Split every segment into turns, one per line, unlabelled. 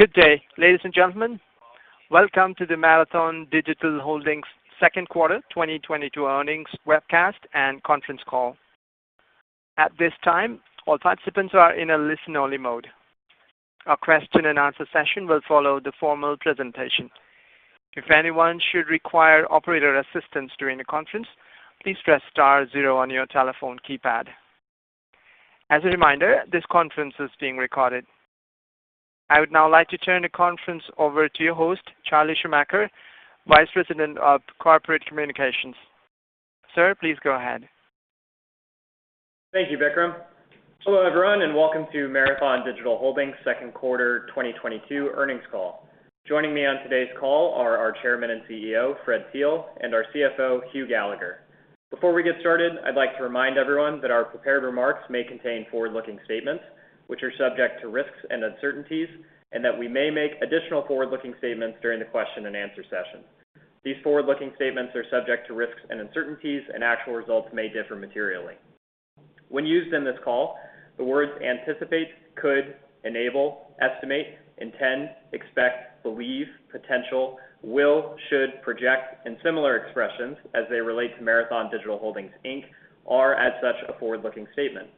Good day, ladies and gentlemen. Welcome to the Marathon Digital Holdings second quarter 2022 earnings webcast and conference call. At this time, all participants are in a listen-only mode. A question-and-answer session will follow the formal presentation. If anyone should require operator assistance during the conference, please press star zero on your telephone keypad. As a reminder, this conference is being recorded. I would now like to turn the conference over to your host, Charlie Schumacher, Vice President of Corporate Communications. Sir, please go ahead.
Thank you, Vikram. Hello, everyone, and welcome to Marathon Digital Holdings second quarter 2022 earnings call. Joining me on today's call are our Chairman and CEO, Fred Thiel, and our CFO, Hugh Gallagher. Before we get started, I'd like to remind everyone that our prepared remarks may contain forward-looking statements which are subject to risks and uncertainties, and that we may make additional forward-looking statements during the question-and-answer session. These forward-looking statements are subject to risks and uncertainties, and actual results may differ materially. When used in this call, the words anticipate, could, enable, estimate, intend, expect, believe, potential, will, should, project, and similar expressions as they relate to Marathon Digital Holdings, Inc., are as such a forward-looking statement.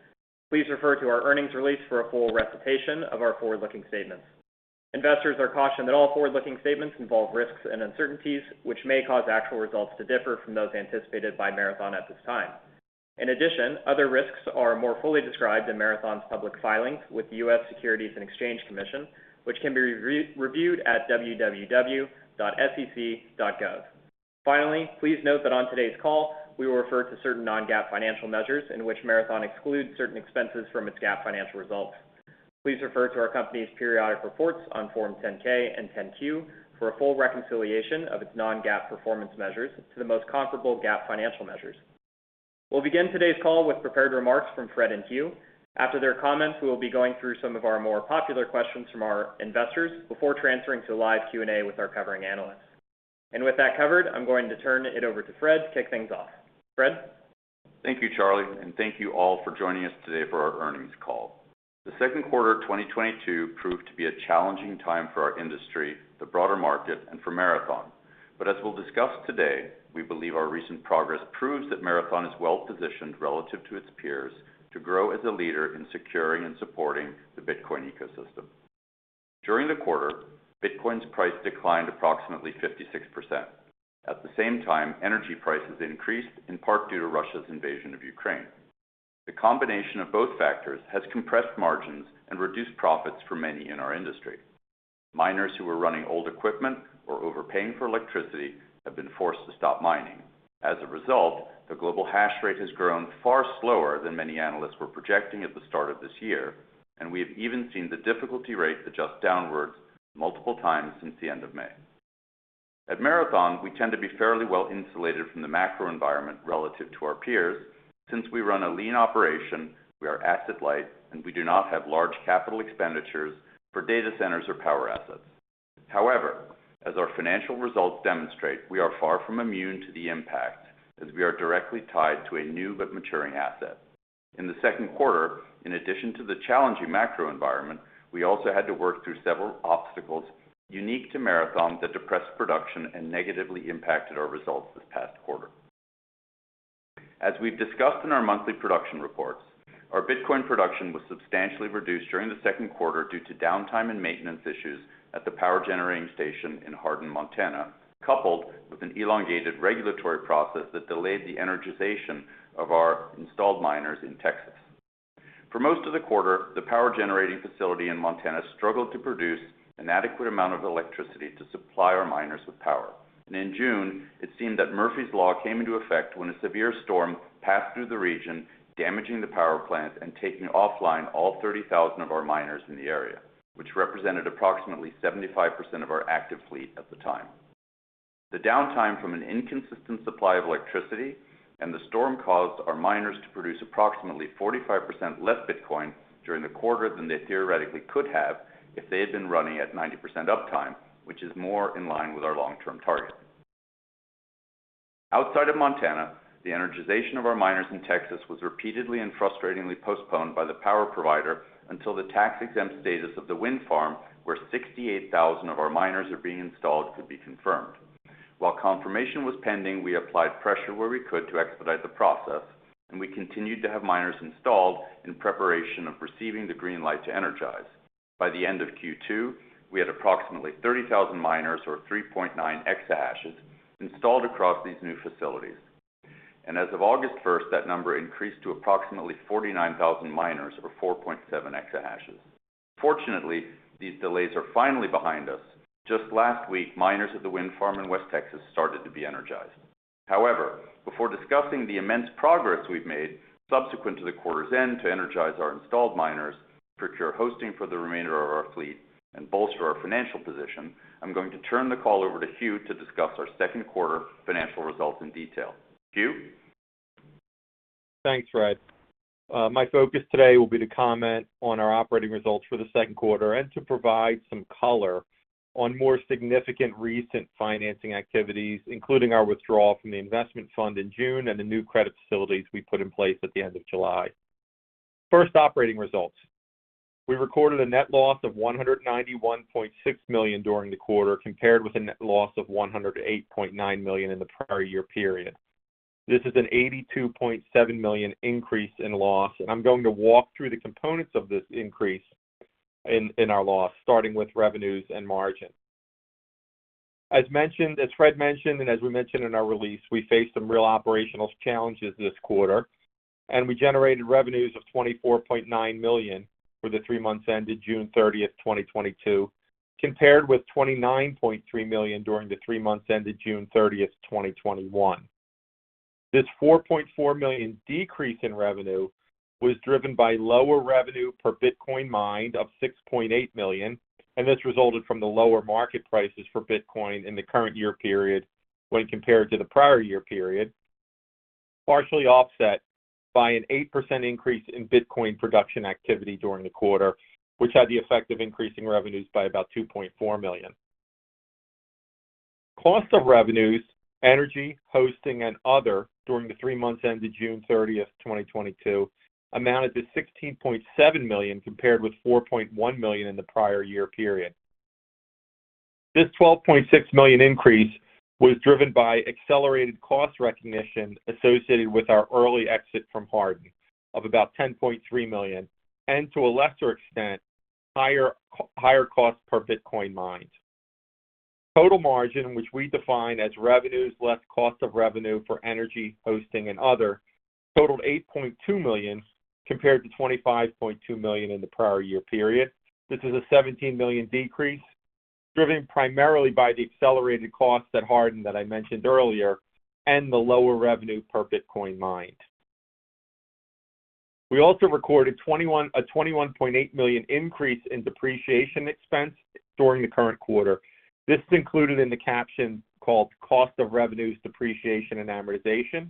Please refer to our earnings release for a full recitation of our forward-looking statements. Investors are cautioned that all forward-looking statements involve risks and uncertainties which may cause actual results to differ from those anticipated by Marathon at this time. In addition, other risks are more fully described in Marathon's public filings with the U.S. Securities and Exchange Commission, which can be reviewed at www.sec.gov. Finally, please note that on today's call, we will refer to certain non-GAAP financial measures in which Marathon excludes certain expenses from its GAAP financial results. Please refer to our company's periodic reports on Form 10-K and 10-Q for a full reconciliation of its non-GAAP financial measures. We'll begin today's call with prepared remarks from Fred and Hugh. After their comments, we will be going through some of our more popular questions from our investors before transferring to live Q&A with our covering analysts. With that covered, I'm going to turn it over to Fred to kick things off. Fred?
Thank you, Charlie, and thank you all for joining us today for our earnings call. The second quarter of 2022 proved to be a challenging time for our industry, the broader market, and for Marathon. As we'll discuss today, we believe our recent progress proves that Marathon is well-positioned relative to its peers to grow as a leader in securing and supporting the Bitcoin ecosystem. During the quarter, Bitcoin's price declined approximately 56%. At the same time, energy prices increased, in part due to Russia's invasion of Ukraine. The combination of both factors has compressed margins and reduced profits for many in our industry. Miners who were running old equipment or overpaying for electricity have been forced to stop mining. As a result, the global hash rate has grown far slower than many analysts were projecting at the start of this year, and we have even seen the difficulty rate adjust downwards multiple times since the end of May. At Marathon, we tend to be fairly well insulated from the macro environment relative to our peers. Since we run a lean operation, we are asset light, and we do not have large capital expenditures for data centers or power assets. However, as our financial results demonstrate, we are far from immune to the impact as we are directly tied to a new but maturing asset. In the second quarter, in addition to the challenging macro environment, we also had to work through several obstacles unique to Marathon that depressed production and negatively impacted our results this past quarter. As we've discussed in our monthly production reports, our Bitcoin production was substantially reduced during the second quarter due to downtime and maintenance issues at the power generating station in Hardin, Montana, coupled with an elongated regulatory process that delayed the energization of our installed miners in Texas. For most of the quarter, the power generating facility in Montana struggled to produce an adequate amount of electricity to supply our miners with power. In June, it seemed that Murphy's Law came into effect when a severe storm passed through the region, damaging the power plant and taking offline all 30,000 of our miners in the area, which represented approximately 75% of our active fleet at the time. The downtime from an inconsistent supply of electricity and the storm caused our miners to produce approximately 45% less Bitcoin during the quarter than they theoretically could have if they had been running at 90% uptime, which is more in line with our long-term target. Outside of Montana, the energization of our miners in Texas was repeatedly and frustratingly postponed by the power provider until the tax-exempt status of the wind farm where 68,000 of our miners are being installed could be confirmed. While confirmation was pending, we applied pressure where we could to expedite the process, and we continued to have miners installed in preparation of receiving the green light to energize. By the end of Q2, we had approximately 30,000 miners or 3.9 exahash installed across these new facilities. As of August 1st, that number increased to approximately 49,000 miners or 4.7 exahash. Fortunately, these delays are finally behind us. Just last week, miners at the wind farm in West Texas started to be energized. However, before discussing the immense progress we've made subsequent to the quarter's end to energize our installed miners, procure hosting for the remainder of our fleet, and bolster our financial position, I'm going to turn the call over to Hugh to discuss our second quarter financial results in detail. Hugh?
Thanks, Fred. My focus today will be to comment on our operating results for the second quarter and to provide some color on more significant recent financing activities, including our withdrawal from the investment fund in June and the new credit facilities we put in place at the end of July. First, operating results. We recorded a net loss of $191.6 million during the quarter, compared with a net loss of $108.9 million in the prior year period. This is an $82.7 million increase in loss, and I'm going to walk through the components of this increase in our loss, starting with revenues and margin. As mentioned, as Fred mentioned, and as we mentioned in our release, we faced some real operational challenges this quarter, and we generated revenues of $24.9 million for the three months ended June 30th, 2022, compared with $29.3 million during the three months ended June 30th, 2021. This $4.4 million decrease in revenue was driven by lower revenue per Bitcoin mined of $6.8 million, and this resulted from the lower market prices for Bitcoin in the current year period when compared to the prior year period, partially offset by an 8% increase in Bitcoin production activity during the quarter, which had the effect of increasing revenues by about $2.4 million. Cost of revenues, energy, hosting, and other during the three months ended June 30th, 2022 amounted to $16.7 million, compared with $4.1 million in the prior year period. This $12.6 million increase was driven by accelerated cost recognition associated with our early exit from Hardin of about $10.3 million and to a lesser extent, higher cost per Bitcoin mined. Total margin, which we define as revenues less cost of revenue for energy, hosting and other, totaled $8.2 million, compared to $25.2 million in the prior year period. This is a $17 million decrease, driven primarily by the accelerated costs at Hardin that I mentioned earlier and the lower revenue per Bitcoin mined. We also recorded a $21.8 million increase in depreciation expense during the current quarter. This is included in the caption called cost of revenues, depreciation and amortization.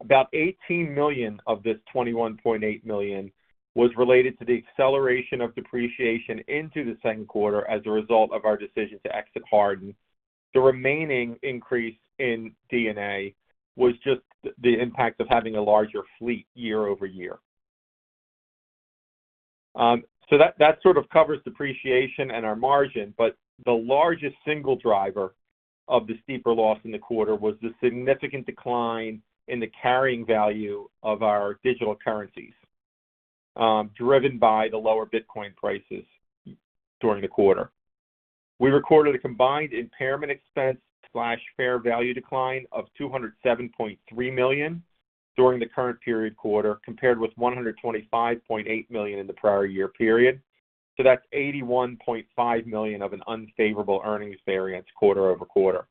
About $18 million of this $21.8 million was related to the acceleration of depreciation into the second quarter as a result of our decision to exit Hardin. The remaining increase in D&A was just the impact of having a larger fleet year-over-year. That sort of covers depreciation and our margin, but the largest single driver of the steeper loss in the quarter was the significant decline in the carrying value of our digital currencies, driven by the lower Bitcoin prices during the quarter. We recorded a combined impairment expense/fair value decline of $207.3 million during the current period quarter, compared with $125.8 million in the prior-year period. That's $81.5 million of an unfavorable earnings variance quarter-over-quarter.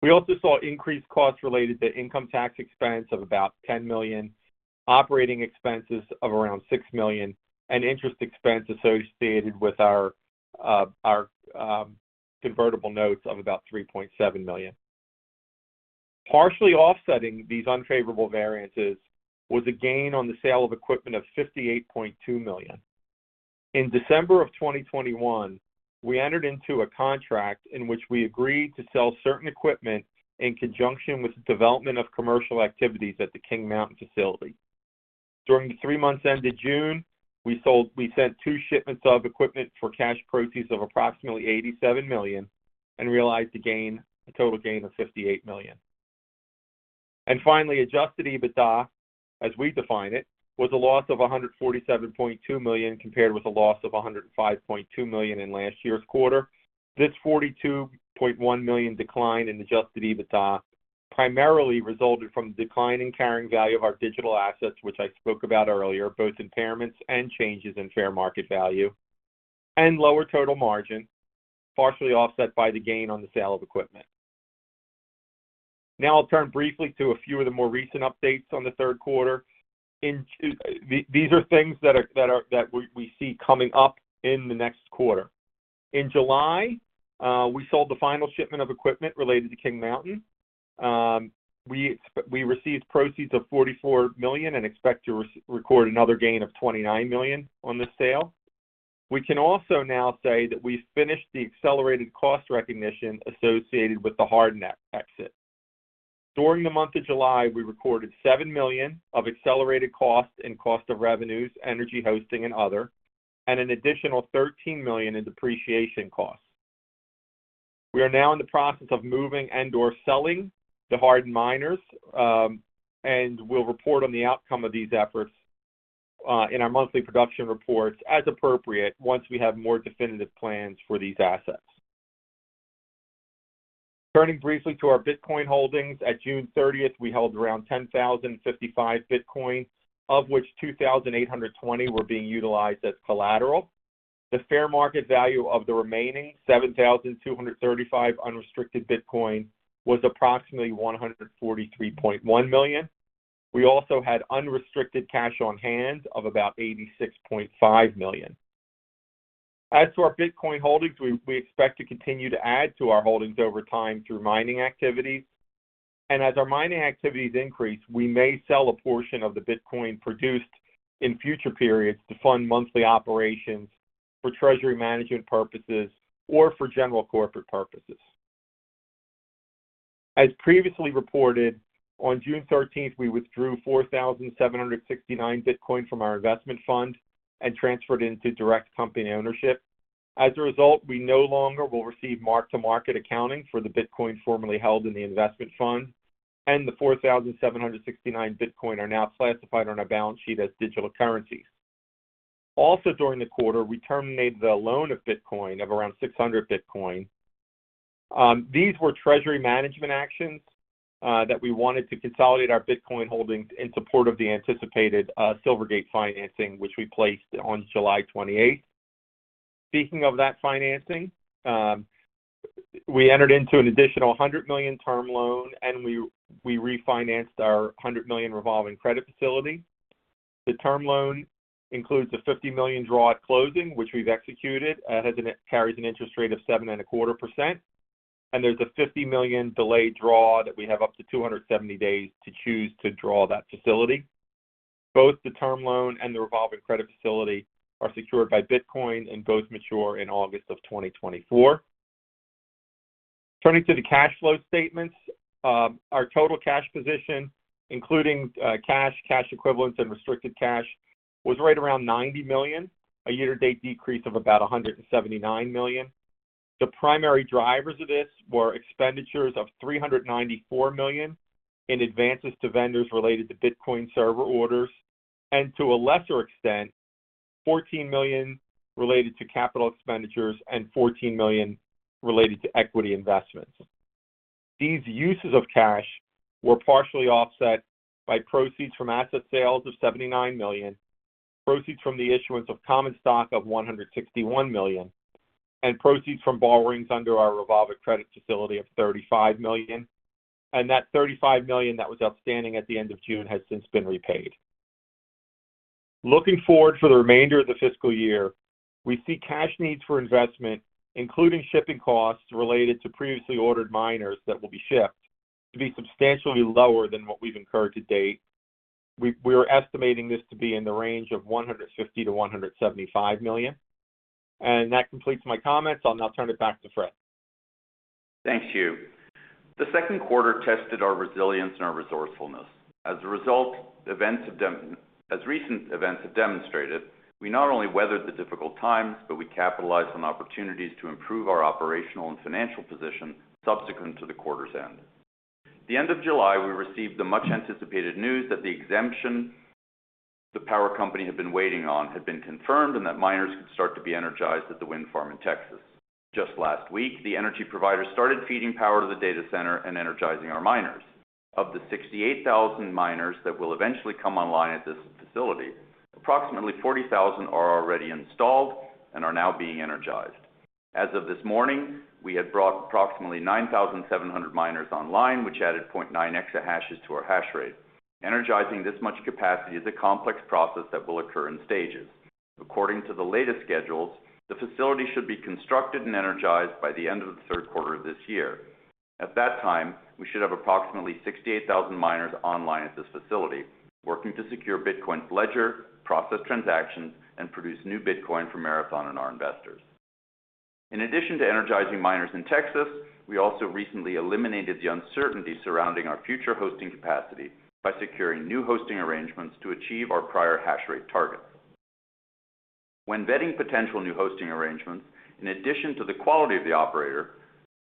We also saw increased costs related to income tax expense of about $10 million, operating expenses of around $6 million, and interest expense associated with our convertible notes of about $3.7 million. Partially offsetting these unfavorable variances was a gain on the sale of equipment of $58.2 million. In December of 2021, we entered into a contract in which we agreed to sell certain equipment in conjunction with the development of commercial activities at the King Mountain facility. During the three months ended June, we sent two shipments of equipment for cash proceeds of approximately $87 million and realized a gain, a total gain of $58 million. Finally, adjusted EBITDA, as we define it, was a loss of $147.2 million, compared with a loss of $105.2 million in last year's quarter. This $42.1 million decline in adjusted EBITDA primarily resulted from the decline in carrying value of our digital assets, which I spoke about earlier, both impairments and changes in fair market value, and lower total margin, partially offset by the gain on the sale of equipment. Now I'll turn briefly to a few of the more recent updates on the third quarter. These are things that we see coming up in the next quarter. In July, we sold the final shipment of equipment related to King Mountain. We received proceeds of $44 million and expect to record another gain of $29 million on this sale. We can also now say that we finished the accelerated cost recognition associated with the Hardin exit. During the month of July, we recorded $7 million of accelerated cost in cost of revenues, energy, hosting and other, and an additional $13 million in depreciation costs. We are now in the process of moving and/or selling the Hardin miners, and we'll report on the outcome of these efforts in our monthly production reports as appropriate once we have more definitive plans for these assets. Turning briefly to our Bitcoin holdings, at June 30th, we held around 10,055 Bitcoin, of which 2,820 were being utilized as collateral. The fair market value of the remaining 7,235 unrestricted Bitcoin was approximately $143.1 million. We also had unrestricted cash on hand of about $86.5 million. As to our Bitcoin holdings, we expect to continue to add to our holdings over time through mining activities. As our mining activities increase, we may sell a portion of the Bitcoin produced in future periods to fund monthly operations for treasury management purposes or for general corporate purposes. As previously reported, on June 13th, we withdrew 4,769 Bitcoin from our investment fund and transferred into direct company ownership. As a result, we no longer will receive mark-to-market accounting for the Bitcoin formerly held in the investment fund, and the 4,769 Bitcoin are now classified on our balance sheet as digital currency. Also during the quarter, we terminated the loan of Bitcoin of around 600 Bitcoin. These were treasury management actions that we wanted to consolidate our Bitcoin holdings in support of the anticipated Silvergate financing, which we placed on July 28th. Speaking of that financing, we entered into an additional $100 million term loan, and we refinanced our $100 million revolving credit facility. The term loan includes a $50 million draw at closing, which we've executed, as it carries an interest rate of 7.25%, and there's a $50 million delayed draw that we have up to 270 days to choose to draw that facility. Both the term loan and the revolving credit facility are secured by Bitcoin and both mature in August 2024. Turning to the cash flow statements, our total cash position, including cash equivalents, and restricted cash, was right around $90 million, a year-to-date decrease of about $179 million. The primary drivers of this were expenditures of $394 million in advances to vendors related to Bitcoin server orders and to a lesser extent, $14 million related to capital expenditures and $14 million related to equity investments. These uses of cash were partially offset by proceeds from asset sales of $79 million, proceeds from the issuance of common stock of $161 million, and proceeds from borrowings under our revolving credit facility of $35 million. That $35 million that was outstanding at the end of June has since been repaid. Looking forward for the remainder of the fiscal year, we see cash needs for investment, including shipping costs related to previously ordered miners that will be shipped, to be substantially lower than what we've incurred to date. We're estimating this to be in the range of $150 million-$175 million. That completes my comments. I'll now turn it back to Fred.
Thank you. The second quarter tested our resilience and our resourcefulness. As a result, as recent events have demonstrated, we not only weathered the difficult times, but we capitalized on opportunities to improve our operational and financial position subsequent to the quarter's end. The end of July, we received the much-anticipated news that the exemption the power company had been waiting on had been confirmed and that miners could start to be energized at the wind farm in Texas. Just last week, the energy provider started feeding power to the data center and energizing our miners. Of the 68,000 miners that will eventually come online at this facility, approximately 40,000 are already installed and are now being energized. As of this morning, we had brought approximately 9,700 miners online, which added 0.9 exahash to our hash rate. Energizing this much capacity is a complex process that will occur in stages. According to the latest schedules, the facility should be constructed and energized by the end of the third quarter this year. At that time, we should have approximately 68,000 miners online at this facility working to secure Bitcoin's ledger, process transactions, and produce new Bitcoin for Marathon and our investors. In addition to energizing miners in Texas, we also recently eliminated the uncertainty surrounding our future hosting capacity by securing new hosting arrangements to achieve our prior hash rate targets. When vetting potential new hosting arrangements, in addition to the quality of the operator,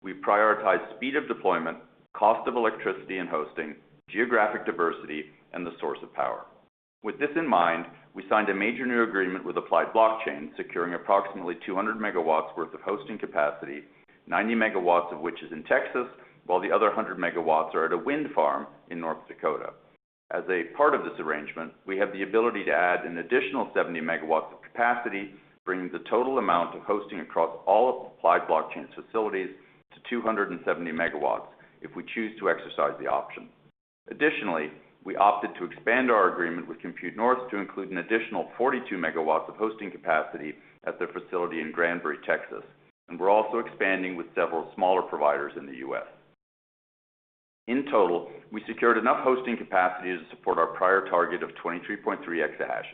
we prioritize speed of deployment, cost of electricity and hosting, geographic diversity, and the source of power. With this in mind, we signed a major new agreement with Applied Blockchain, securing approximately 200 MW worth of hosting capacity, 90 MW of which is in Texas, while the other 100 MW are at a wind farm in North Dakota. As a part of this arrangement, we have the ability to add an additional 70 MW of capacity, bringing the total amount of hosting across all of Applied Blockchain's facilities to 270 MW if we choose to exercise the option. Additionally, we opted to expand our agreement with Compute North to include an additional 42 MW of hosting capacity at their facility in Granbury, Texas, and we're also expanding with several smaller providers in the U.S. In total, we secured enough hosting capacity to support our prior target of 23.3 exahash.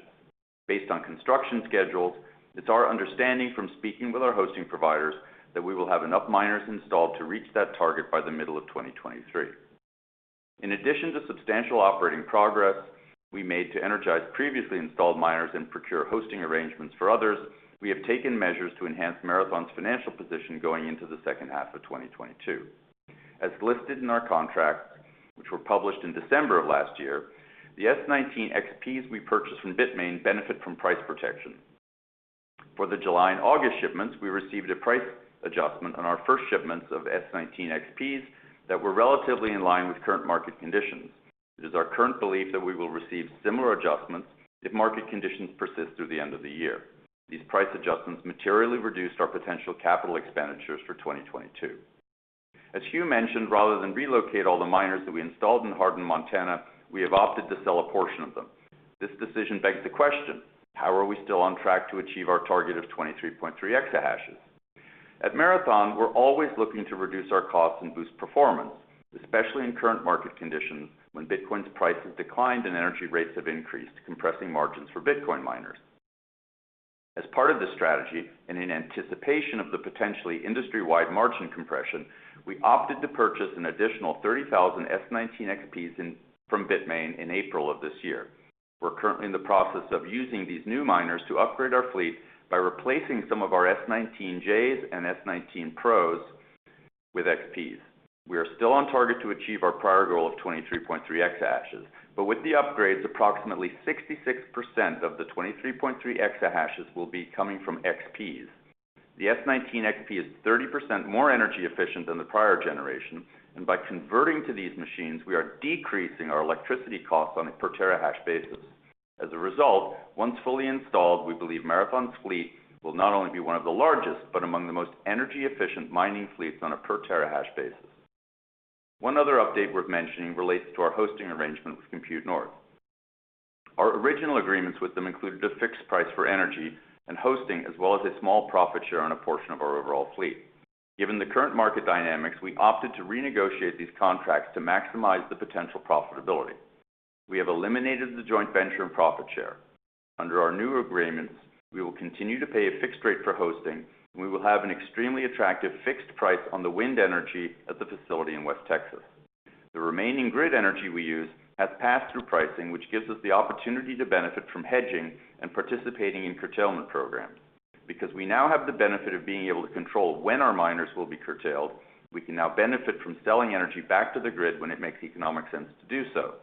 Based on construction schedules, it's our understanding from speaking with our hosting providers that we will have enough miners installed to reach that target by the middle of 2023. In addition to substantial operating progress we made to energize previously installed miners and procure hosting arrangements for others, we have taken measures to enhance Marathon's financial position going into the second half of 2022. As listed in our contracts, which were published in December of last year, the S19 XPs we purchased from Bitmain benefit from price protection. For the July and August shipments, we received a price adjustment on our first shipments of S19 XPs that were relatively in line with current market conditions. It is our current belief that we will receive similar adjustments if market conditions persist through the end of the year. These price adjustments materially reduced our potential capital expenditures for 2022. As Hugh mentioned, rather than relocate all the miners that we installed in Hardin, Montana, we have opted to sell a portion of them. This decision begs the question: How are we still on track to achieve our target of 23.3 exahash? At Marathon, we're always looking to reduce our costs and boost performance, especially in current market conditions when Bitcoin's price has declined and energy rates have increased, compressing margins for Bitcoin miners. As part of the strategy and in anticipation of the potentially industry-wide margin compression, we opted to purchase an additional 30,000 S19 XPs from Bitmain in April of this year. We're currently in the process of using these new miners to upgrade our fleet by replacing some of our S19Js and S19 Pros with XPs. We are still on target to achieve our prior goal of 23.3 exahash. With the upgrades, approximately 66% of the 23.3 exahash will be coming from XPs. The S19 XP is 30% more energy efficient than the prior generation, and by converting to these machines, we are decreasing our electricity costs on a per terahash basis. As a result, once fully installed, we believe Marathon's fleet will not only be one of the largest, but among the most energy-efficient mining fleets on a per terahash basis. One other update worth mentioning relates to our hosting arrangement with Compute North. Our original agreements with them included a fixed price for energy and hosting, as well as a small profit share on a portion of our overall fleet. Given the current market dynamics, we opted to renegotiate these contracts to maximize the potential profitability. We have eliminated the joint venture and profit share. Under our new agreements, we will continue to pay a fixed rate for hosting, and we will have an extremely attractive fixed price on the wind energy at the facility in West Texas. The remaining grid energy we use has pass-through pricing, which gives us the opportunity to benefit from hedging and participating in curtailment programs. Because we now have the benefit of being able to control when our miners will be curtailed, we can now benefit from selling energy back to the grid when it makes economic sense to do so.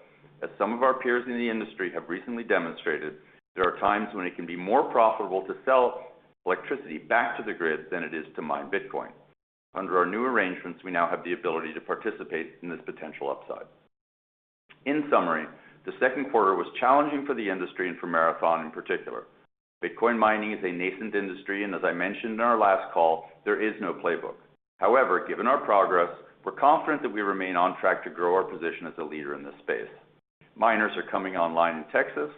As some of our peers in the industry have recently demonstrated, there are times when it can be more profitable to sell electricity back to the grid than it is to mine Bitcoin. Under our new arrangements, we now have the ability to participate in this potential upside. In summary, the second quarter was challenging for the industry and for Marathon in particular. Bitcoin mining is a nascent industry, and as I mentioned in our last call, there is no playbook. However, given our progress, we're confident that we remain on track to grow our position as a leader in this space. Miners are coming online in Texas.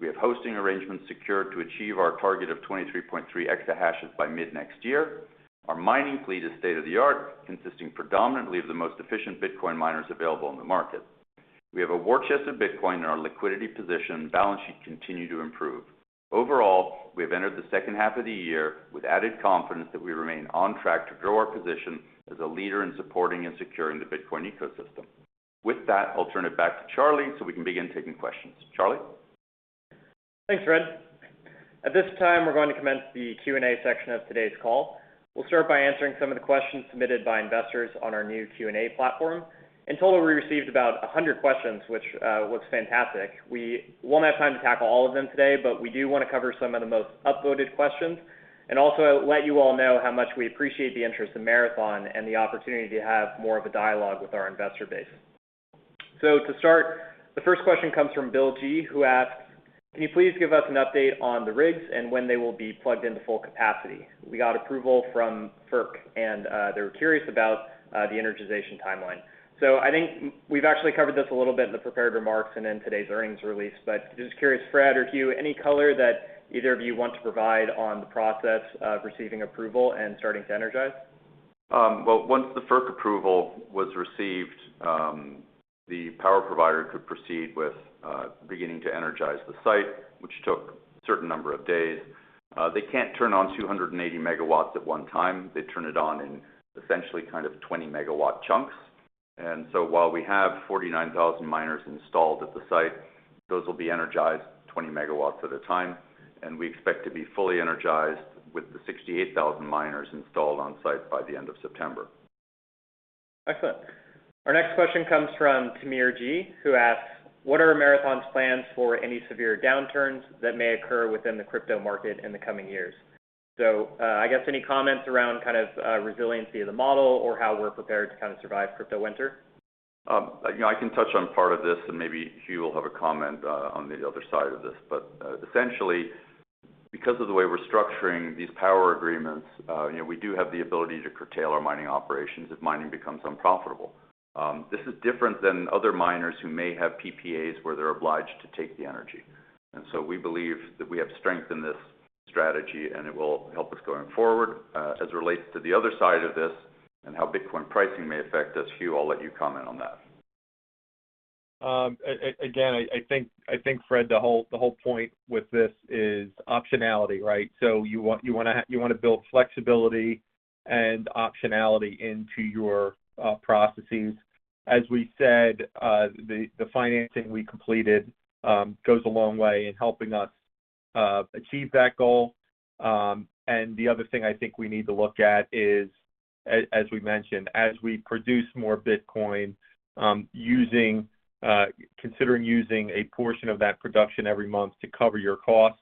We have hosting arrangements secured to achieve our target of 23.3 exahash by mid-next year. Our mining fleet is state-of-the-art, consisting predominantly of the most efficient Bitcoin miners available on the market. We have a war chest of Bitcoin, and our liquidity position and balance sheet continue to improve. Overall, we have entered the second half of the year with added confidence that we remain on track to grow our position as a leader in supporting and securing the Bitcoin ecosystem. With that, I'll turn it back to Charlie so we can begin taking questions. Charlie?
Thanks, Fred. At this time, we're going to commence the Q&A section of today's call. We'll start by answering some of the questions submitted by investors on our new Q&A platform. In total, we received about 100 questions, which looks fantastic. We won't have time to tackle all of them today, but we do wanna cover some of the most upvoted questions, and also let you all know how much we appreciate the interest in Marathon and the opportunity to have more of a dialogue with our investor base. To start, the first question comes from Bill G, who asks, "Can you please give us an update on the rigs and when they will be plugged into full capacity? We got approval from FERC, and they were curious about the energization timeline. I think we've actually covered this a little bit in the prepared remarks and in today's earnings release. Just curious, Fred or Hugh, any color that either of you want to provide on the process of receiving approval and starting to energize?"
Once the FERC approval was received, the power provider could proceed with beginning to energize the site, which took a certain number of days. They can't turn on 280 MW at one time. They turn it on in essentially kind of 20 MW chunks. While we have 49,000 miners installed at the site, those will be energized 20 MW at a time, and we expect to be fully energized with the 68,000 miners installed on site by the end of September.
Excellent. Our next question comes from Tamir G, who asks, "What are Marathon's plans for any severe downturns that may occur within the crypto market in the coming years?" I guess any comments around kind of, resiliency of the model or how we're prepared to kind of survive crypto winter?
You know, I can touch on part of this, and maybe Hugh will have a comment on the other side of this. Essentially, because of the way we're structuring these power agreements, you know, we do have the ability to curtail our mining operations if mining becomes unprofitable. This is different than other miners who may have PPAs where they're obliged to take the energy. We believe that we have strength in this strategy, and it will help us going forward. As it relates to the other side of this and how Bitcoin pricing may affect us, Hugh, I'll let you comment on that.
Again, I think, Fred, the whole point with this is optionality, right? You want to build flexibility and optionality into your processes. As we said, the financing we completed goes a long way in helping us achieve that goal. The other thing I think we need to look at is, as we mentioned, as we produce more Bitcoin, considering using a portion of that production every month to cover your costs,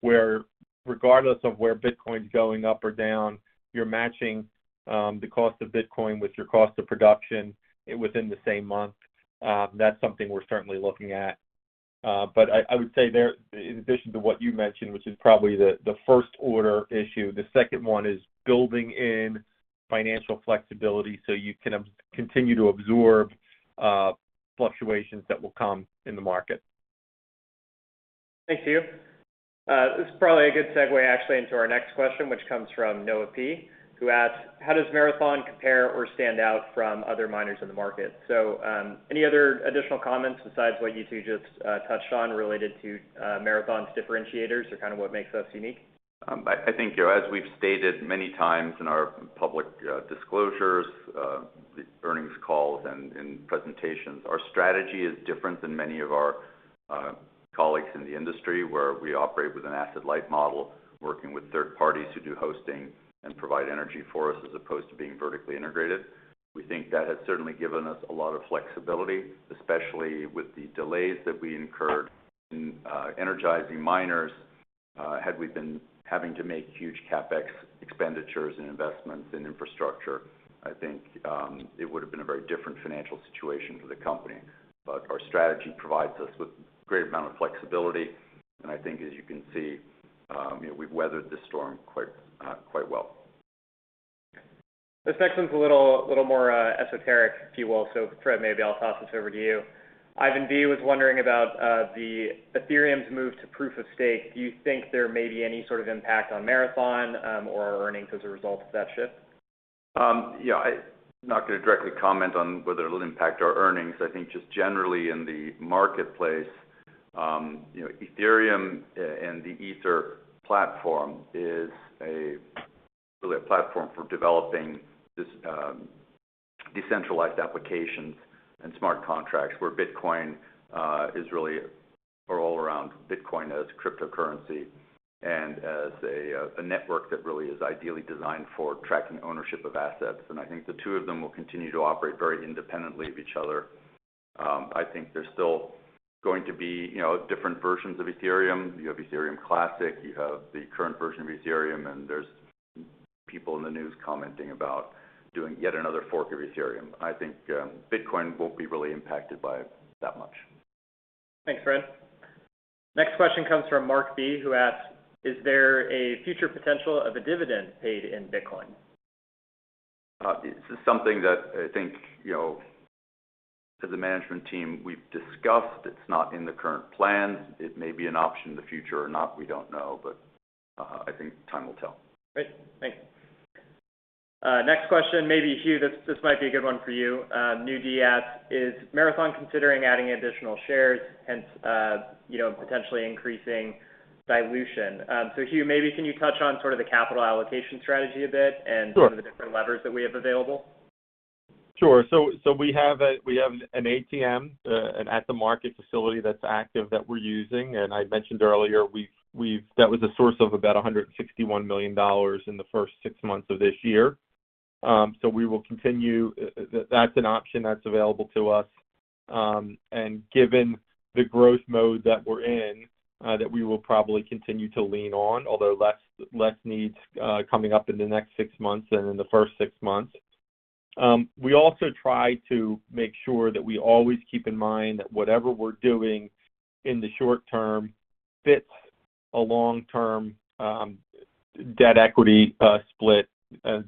where regardless of where Bitcoin's going up or down, you're matching the cost of Bitcoin with your cost of production within the same month. That's something we're certainly looking at. I would say there, in addition to what you mentioned, which is probably the first order issue, the second one is building in financial flexibility so you can continue to absorb fluctuations that will come in the market.
Thanks, Hugh. This is probably a good segue actually into our next question, which comes from Noah P, who asks, "How does Marathon compare or stand out from other miners in the market?" Any other additional comments besides what you two just touched on related to Marathon's differentiators or kind of what makes us unique?
I think, you know, as we've stated many times in our public, disclosures, earnings calls and presentations, our strategy is different than many of our, colleagues in the industry, where we operate with an asset-light model, working with third parties who do hosting and provide energy for us as opposed to being vertically integrated. We think that has certainly given us a lot of flexibility, especially with the delays that we incurred in, energizing miners. Had we been having to make huge CapEx expenditures and investments in infrastructure, I think, it would have been a very different financial situation for the company. Our strategy provides us with a great amount of flexibility. I think as you can see, you know, we've weathered the storm quite well.
This next one's a little more esoteric, if you will. Fred, maybe I'll toss this over to you. Ivan V was wondering about the Ethereum's move to proof of stake. Do you think there may be any sort of impact on Marathon, or our earnings as a result of that shift?
Yeah, I'm not gonna directly comment on whether it'll impact our earnings. I think just generally in the marketplace, you know, Ethereum and the Ether platform is really a platform for developing this decentralized applications and smart contracts, where Bitcoin is really all around Bitcoin as cryptocurrency and as a network that really is ideally designed for tracking ownership of assets. I think the two of them will continue to operate very independently of each other. I think there's still going to be, you know, different versions of Ethereum. You have Ethereum Classic, you have the current version of Ethereum, and there's people in the news commenting about doing yet another fork of Ethereum. I think Bitcoin won't be really impacted by that much.
Thanks, Fred. Next question comes from Mark B, who asks, "Is there a future potential of a dividend paid in Bitcoin?"
This is something that I think, you know, as a management team, we've discussed. It's not in the current plans. It may be an option in the future or not, we don't know. I think time will tell.
Great. Thanks. Next question, maybe Hugh, this might be a good one for you. "Is Marathon considering adding additional shares, hence, you know, potentially increasing dilution? Hugh, maybe can you touch on sort of the capital allocation strategy a bit and some of the different levers that we have available?"
Sure. We have an ATM, an at-the-market facility that's active that we're using. I mentioned earlier, that was a source of about $161 million in the first six months of this year. We will continue. That's an option that's available to us. Given the growth mode that we're in, we will probably continue to lean on, although less needs coming up in the next six months than in the first six months. We also try to make sure that we always keep in mind that whatever we're doing in the short term fits a long-term debt equity split,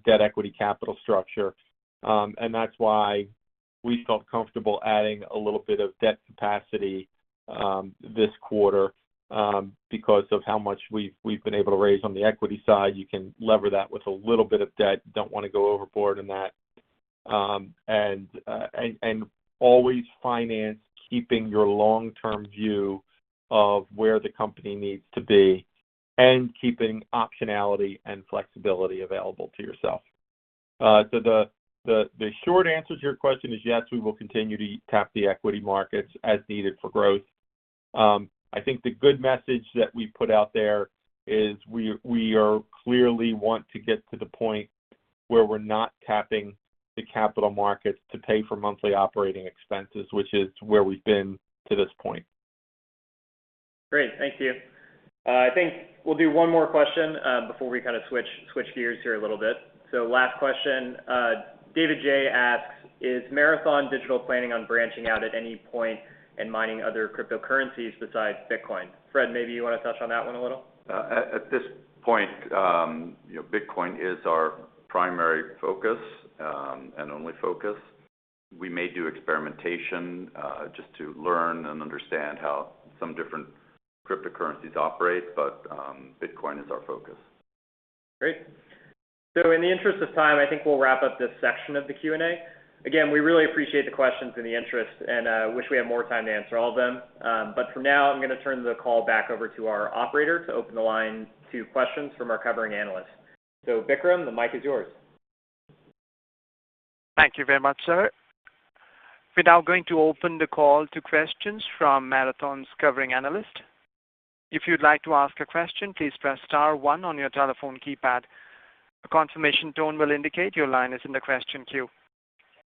debt equity capital structure. That's why we felt comfortable adding a little bit of debt capacity this quarter because of how much we've been able to raise on the equity side. You can lever that with a little bit of debt. Don't wanna go overboard in that. Always finance keeping your long-term view of where the company needs to be and keeping optionality and flexibility available to yourself. The short answer to your question is yes, we will continue to tap the equity markets as needed for growth. I think the good message that we put out there is we clearly want to get to the point where we're not tapping the capital markets to pay for monthly operating expenses, which is where we've been to this point.
Great. Thank you. I think we'll do one more question before we kind of switch gears here a little bit. Last question. David J asks, "Is Marathon Digital planning on branching out at any point and mining other cryptocurrencies besides Bitcoin?" Fred, maybe you wanna touch on that one a little.
At this point, you know, Bitcoin is our primary focus and only focus. We may do experimentation just to learn and understand how some different cryptocurrencies operate, but Bitcoin is our focus.
Great. In the interest of time, I think we'll wrap up this section of the Q&A. Again, we really appreciate the questions and the interest and, wish we had more time to answer all of them. For now, I'm gonna turn the call back over to our operator to open the line to questions from our covering analysts. Vikram, the mic is yours.
Thank you very much, sir. We're now going to open the call to questions from Marathon's covering analyst. If you'd like to ask a question, please press star one on your telephone keypad. A confirmation tone will indicate your line is in the question queue.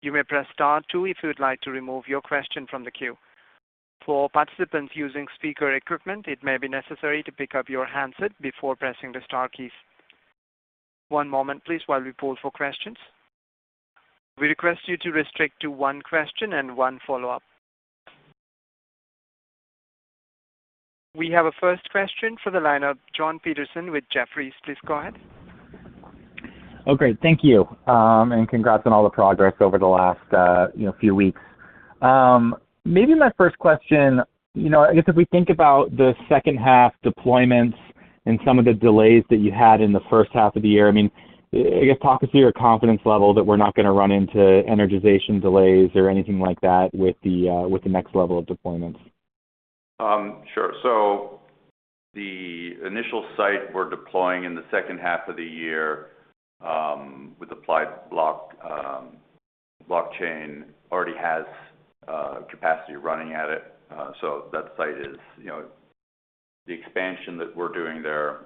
You may press star two if you'd like to remove your question from the queue. For participants using speaker equipment, it may be necessary to pick up your handset before pressing the star key. One moment, please, while we poll for questions. We request you to restrict to one question and one follow-up. We have a first question for the line of Jonathan Peterson with Jefferies. Please go ahead.
Oh, great. Thank you. Congrats on all the progress over the last, you know, few weeks. Maybe my first question, you know, I guess if we think about the second half deployments and some of the delays that you had in the first half of the year, I mean, I guess talk us through your confidence level that we're not gonna run into energization delays or anything like that with the next level of deployments.
Sure. The initial site we're deploying in the second half of the year with Applied Blockchain already has capacity running at it, so that site is, you know. The expansion that we're doing there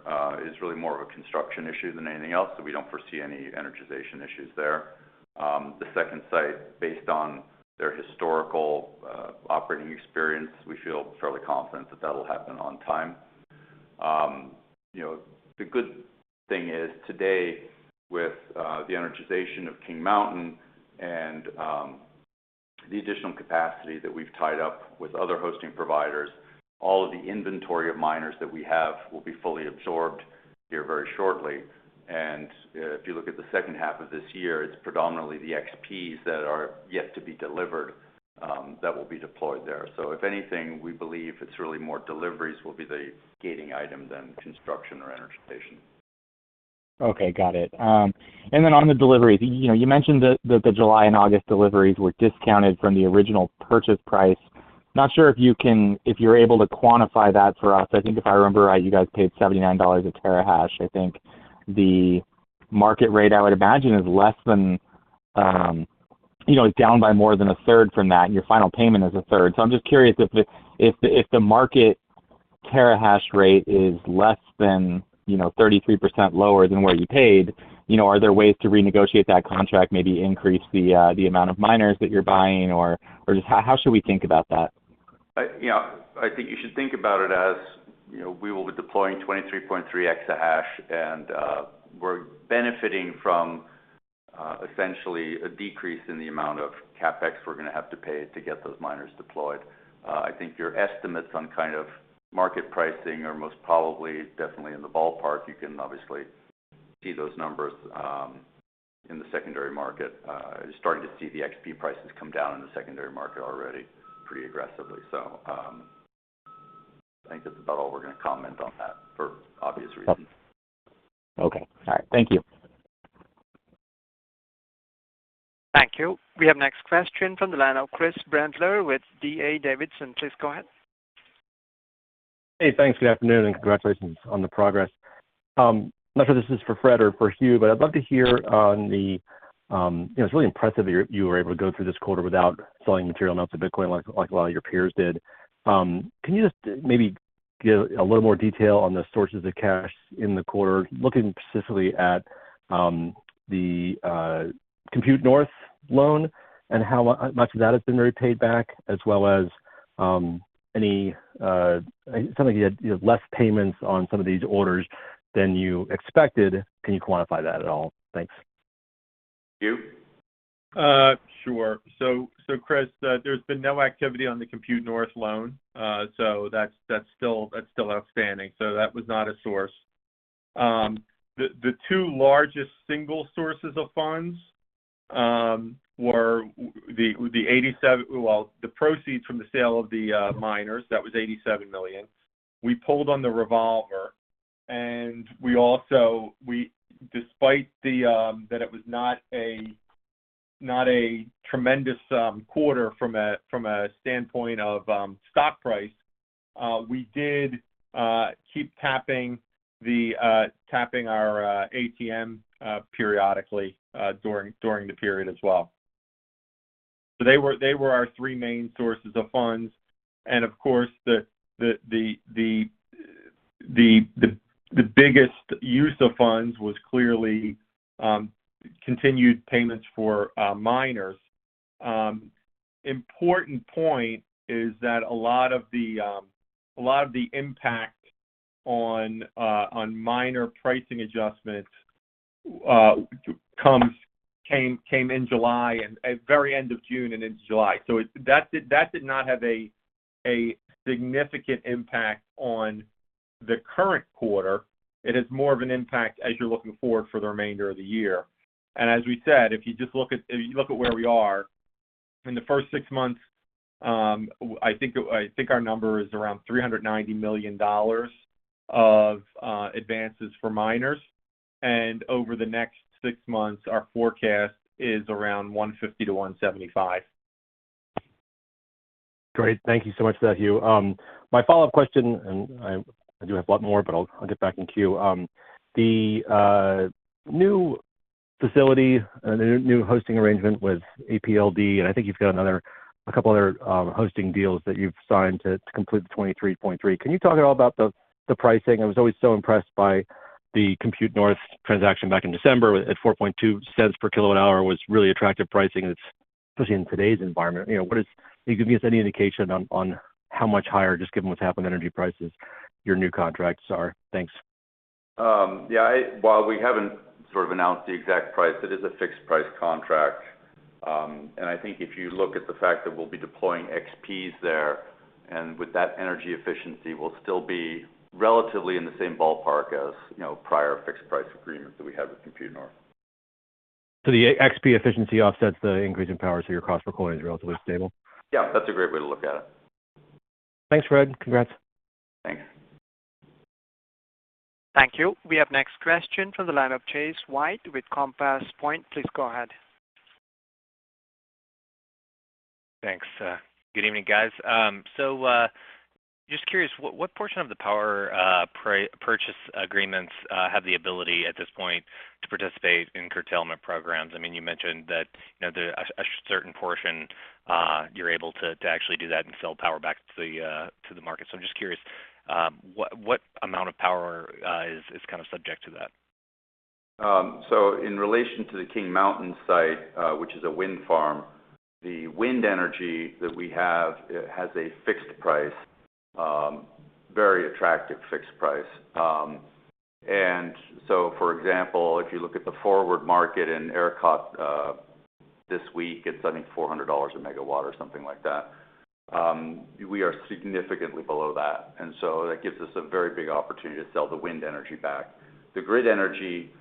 is really more of a construction issue than anything else, so we don't foresee any energization issues there. The second site, based on their historical operating experience, we feel fairly confident that that'll happen on time. You know, the good thing is today, with the energization of King Mountain and the additional capacity that we've tied up with other hosting providers, all of the inventory of miners that we have will be fully absorbed here very shortly. If you look at the second half of this year, it's predominantly the XPs that are yet to be delivered that will be deployed there. If anything, we believe it's really more deliveries will be the gating item than construction or energization.
Okay, got it. Then on the delivery, you know, you mentioned the July and August deliveries were discounted from the original purchase price. Not sure if you're able to quantify that for us. I think if I remember right, you guys paid $79 a terahash. I think the market rate, I would imagine, is less than, you know, down by more than 1/3 from that, and your final payment is 1/3. I'm just curious if the market terahash rate is less than, you know, 33% lower than what you paid, you know, are there ways to renegotiate that contract, maybe increase the amount of miners that you're buying? Or just how should we think about that?
You know, I think you should think about it as, you know, we will be deploying 23.3 exahash and we're benefiting from essentially a decrease in the amount of CapEx we're gonna have to pay to get those miners deployed. I think your estimates on kind of market pricing are most probably definitely in the ballpark. You can obviously see those numbers in the secondary market. You're starting to see the XP prices come down in the secondary market already pretty aggressively. I think that's about all we're gonna comment on that for obvious reasons.
Okay. All right. Thank you.
Thank you. We have next question from the line of Chris Brendler with D.A. Davidson. Please go ahead.
Hey, thanks. Good afternoon, and congratulations on the progress. Not sure this is for Fred or for Hugh, but I'd love to hear on the. You know, it's really impressive that you were able to go through this quarter without selling material amounts of Bitcoin like a lot of your peers did. Can you just maybe give a little more detail on the sources of cash in the quarter, looking specifically at the Compute North loan and how much of that has been repaid back, as well as any, it sounded like you had less payments on some of these orders than you expected. Can you quantify that at all? Thanks.
Hugh?
Sure. Chris, there's been no activity on the Compute North loan. That's still outstanding. That was not a source. The two largest single sources of funds were the $87 million proceeds from the sale of the miners. We pulled on the revolver, and we also, despite that it was not a tremendous quarter from a standpoint of stock price, we did keep tapping our ATM periodically during the period as well. They were our three main sources of funds. Of course, the biggest use of funds was clearly continued payments for miners. Important point is that a lot of the impact on miner pricing adjustments came in July and very end of June and into July. That did not have a significant impact on the current quarter. It is more of an impact as you're looking forward for the remainder of the year. As we said, if you look at where we are, in the first six months, I think our number is around $390 million of advances for miners. Over the next six months, our forecast is around $150 million-$175 million.
Great. Thank you so much for that, Hugh. My follow-up question, and I do have a lot more, but I'll get back in queue. The new facility and the new hosting arrangement with APLD, and I think you've got a couple other hosting deals that you've signed to complete the 23.3. Can you talk at all about the pricing? I was always so impressed by the Compute North transaction back in December at $0.042 per kWh was really attractive pricing, and it's especially in today's environment. You know, can you give me just any indication on how much higher, just given what's happened to energy prices, your new contracts are? Thanks.
Yeah. While we haven't sort of announced the exact price, it is a fixed price contract. I think if you look at the fact that we'll be deploying XPs there, and with that energy efficiency, we'll still be relatively in the same ballpark as, you know, prior fixed-price agreements that we had with Compute North.
The XP efficiency offsets the increase in power, so your cost per coin is relatively stable?
Yeah. That's a great way to look at it.
Thanks, Fred. Congrats.
Thanks.
Thank you. We have next question from the line of Chase White with Compass Point. Please go ahead.
Thanks. Good evening, guys. Just curious, what portion of the power purchase agreements have the ability at this point to participate in curtailment programs? I mean, you mentioned that, you know, a certain portion you're able to actually do that and sell power back to the market. I'm just curious, what amount of power is kind of subject to that?
In relation to the King Mountain site, which is a wind farm, the wind energy that we have, it has a fixed price, very attractive fixed price. For example, if you look at the forward market in ERCOT, this week, it's, I think $400 a MW or something like that. We are significantly below that, and so that gives us a very big opportunity to sell the wind energy back. The grid energy,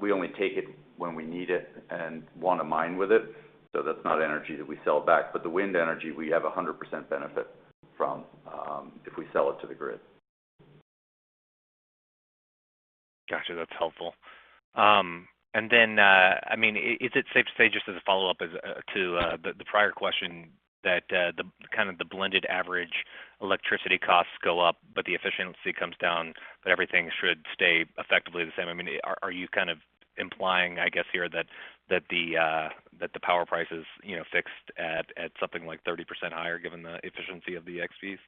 we only take it when we need it and wanna mine with it, so that's not energy that we sell back. The wind energy, we have 100% benefit from, if we sell it to the grid.
Gotcha. That's helpful. Then, I mean, is it safe to say, just as a follow-up to the prior question that the kind of blended average electricity costs go up, but the efficiency comes down, but everything should stay effectively the same? I mean, are you kind of implying, I guess, here that the power price is, you know, fixed at something like 30% higher given the efficiency of the XPs?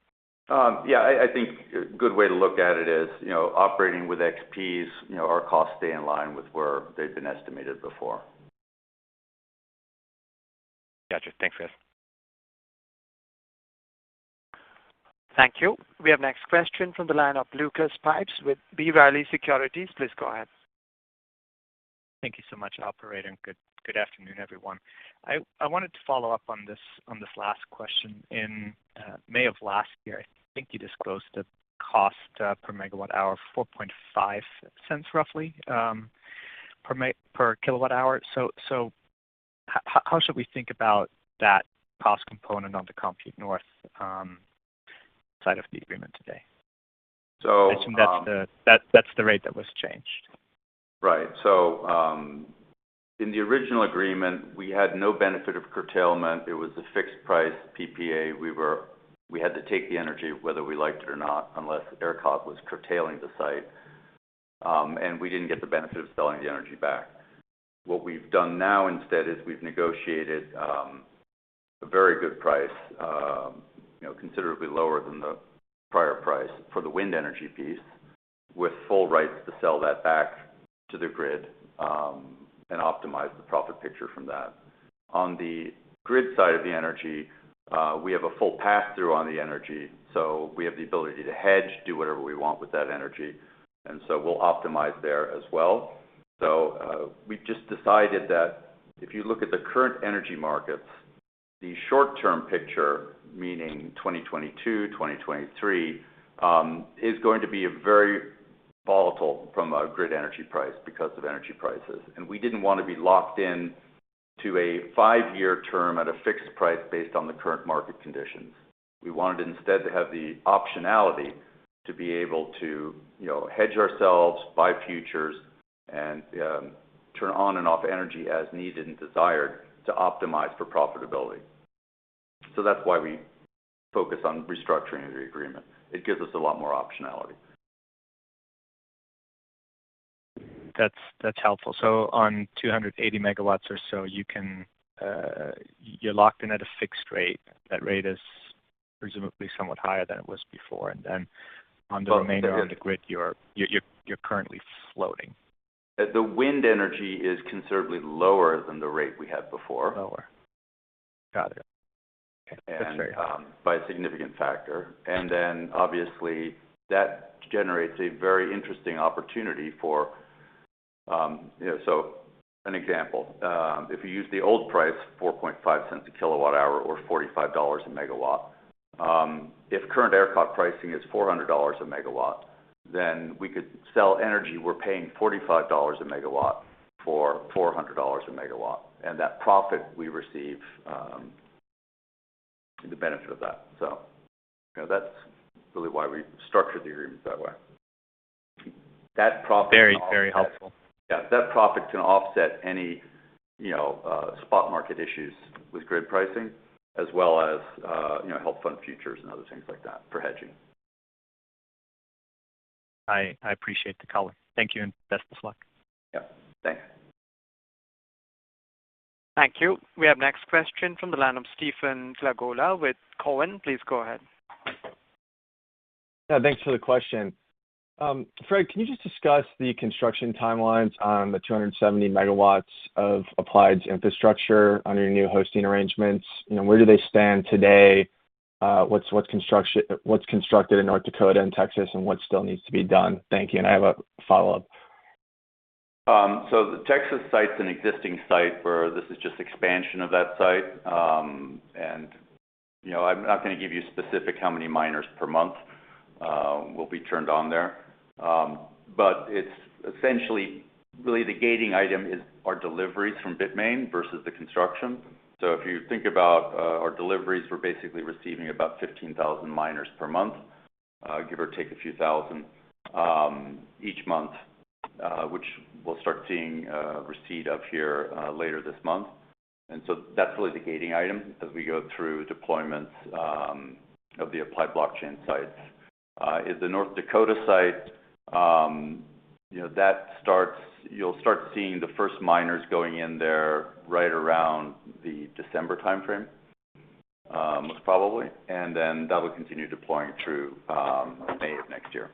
Yeah. I think a good way to look at it is, you know, operating with XPs, you know, our costs stay in line with where they've been estimated before.
Gotcha. Thanks, guys.
Thank you. We have next question from the line of Lucas Pipes with B. Riley Securities. Please go ahead.
Thank you so much, operator, and good afternoon, everyone. I wanted to follow up on this last question. In May of last year, I think you disclosed the cost per MWh, $0.045 roughly, per kWh. How should we think about that cost component on the Compute North side of the agreement today? I assume that's the rate that was changed.
Right. In the original agreement, we had no benefit of curtailment. It was a fixed price PPA. We had to take the energy whether we liked it or not, unless ERCOT was curtailing the site, and we didn't get the benefit of selling the energy back. What we've done now instead is we've negotiated a very good price, you know, considerably lower than the prior price for the wind energy piece with full rights to sell that back to the grid, and optimize the profit picture from that. On the grid side of the energy, we have a full pass-through on the energy, so we have the ability to hedge, do whatever we want with that energy, and so we'll optimize there as well. We've just decided that if you look at the current energy markets, the short-term picture, meaning 2022, 2023, is going to be very volatile for grid energy prices because of energy prices. We didn't wanna be locked in to a five-year term at a fixed price based on the current market conditions. We wanted instead to have the optionality to be able to, you know, hedge ourselves, buy futures, and turn on and off energy as needed and desired to optimize for profitability. That's why we focus on restructuring the agreement. It gives us a lot more optionality.
That's helpful. On 280 MW or so, you're locked in at a fixed rate. That rate is presumably somewhat higher than it was before. On the remainder of the grid, you're currently floating.
The wind energy is considerably lower than the rate we had before.
Lower. Got it. Okay. That's very helpful.
By a significant factor. Then obviously, that generates a very interesting opportunity for. You know, so an example, if you use the old price, $0.045/kWh or $45/MW, if current ERCOT pricing is $400/MW, then we could sell energy. We're paying $45/MW for $400/MW. That profit we receive, the benefit of that. You know, that's really why we structured the agreement that way. That profit can offset.
Very, very helpful.
Yeah. That profit can offset any, you know, spot market issues with grid pricing as well as, you know, help fund futures and other things like that for hedging.
I appreciate the color. Thank you, and best of luck.
Yep. Thanks.
Thank you. We have next question from the line of Stephen Glagola with Cowen. Please go ahead.
Yeah. Thanks for the question. Fred, can you just discuss the construction timelines on the 270 MW of Applied's infrastructure under your new hosting arrangements? You know, where do they stand today? What's constructed in North Dakota and Texas, and what still needs to be done? Thank you, and I have a follow-up.
The Texas site's an existing site where this is just expansion of that site. You know, I'm not gonna give you specific how many miners per month will be turned on there. It's essentially really the gating item is our deliveries from Bitmain versus the construction. If you think about our deliveries, we're basically receiving about 15,000 miners per month, give or take a few thousand, each month, which we'll start seeing a receipt of here later this month. That's really the gating item as we go through deployments of the Applied Blockchain sites. At the North Dakota site, you know, you'll start seeing the first miners going in there right around the December timeframe, most probably. That will continue deploying through May of next year.